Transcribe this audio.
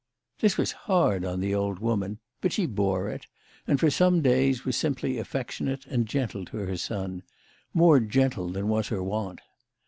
This was hard on the old woman; but she bore it, and, for some days, was simply affectionate and gentle to her son more gentle than was her wont.